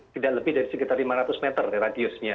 tidak lebih dari sekitar lima ratus meter radiusnya